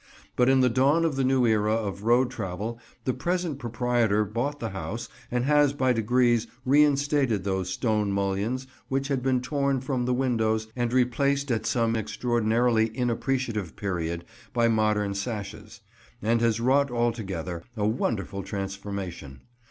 But in the dawn of the new era of road travel the present proprietor bought the house, and has by degrees reinstated those stone mullions which had been torn from the windows and replaced at some extraordinarily inappreciative period by modern sashes; and has wrought altogether, a wonderful transformation.